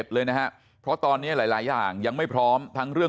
เลยนะฮะเพราะตอนนี้หลายอย่างยังไม่พร้อมทั้งเรื่อง